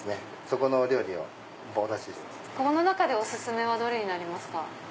この中でお薦めはどれになりますか？